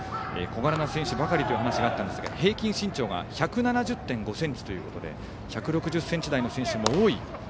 小柄な選手ばかりというお話があったんですが平均身長が１７０．５ｃｍということで１６０ｃｍ台の選手も多い。